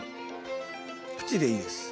プチでいいです。